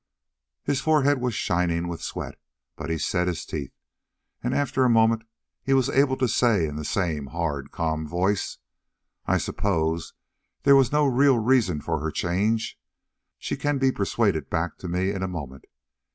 His forehead was shining with sweat, but he set his teeth, and, after a moment, he was able to say in the same hard, calm voice: "I suppose there was no real reason for her change. She can be persuaded back to me in a moment.